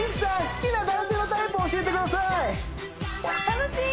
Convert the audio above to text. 好きな男性のタイプ教えてください楽しい！